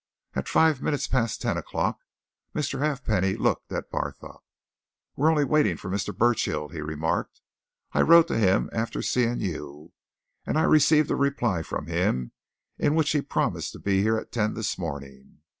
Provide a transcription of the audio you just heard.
At five minutes past ten o'clock Mr. Halfpenny looked at Barthorpe. "We're only waiting for Mr. Burchill," he remarked. "I wrote to him after seeing you, and I received a reply from him in which he promised to be here at ten this morning.